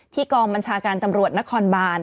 กองบัญชาการตำรวจนครบาน